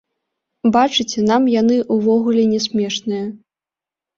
Бачыце, нам яны ўвогуле не смешныя.